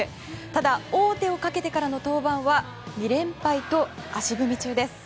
ただ、王手をかけてからの登板は２連敗と足踏み中です。